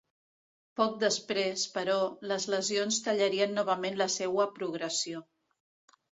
Poc després, però, les lesions tallarien novament la seua progressió.